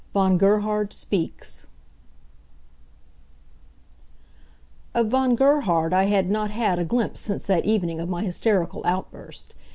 VON GERHARD SPEAKS Of Von Gerhard I had not had a glimpse since that evening of my hysterical outburst.